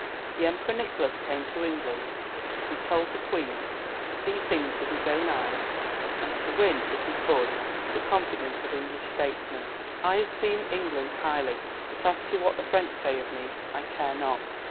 The Emperor Nicholas came to England, as he told the Queen, to see things with his own eyes, and to win, if he could, the confidence of English statesmen. "I esteem England highly; but as to what the French say of me, I care not."